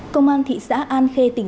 công an thị xã an khê tỉnh sài gòn